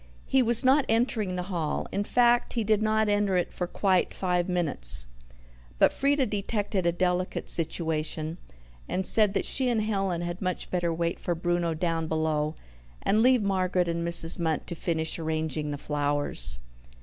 He was not entering the hall in fact, he did not enter it for quite five minutes. But Frieda detected a delicate situation, and said that she and Helen had much better wait for Bruno down below, and leave Margaret and Mrs. Munt to finish arranging the flowers.